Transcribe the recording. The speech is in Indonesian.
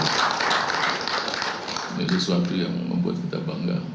ini sesuatu yang membuat kita bangga